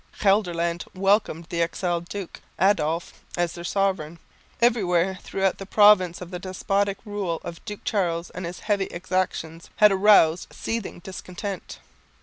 Gelderland welcomed the exiled duke, Adolf, as their sovereign. Everywhere throughout the provinces the despotic rule of Duke Charles and his heavy exactions had aroused seething discontent.